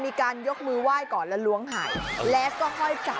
มีการยกมือไหว้ก่อนแล้วล้วงหายแล้วก็ค่อยจับ